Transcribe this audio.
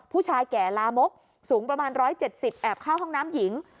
แก่ลามกสูงประมาณ๑๗๐แอบเข้าห้องน้ำหญิง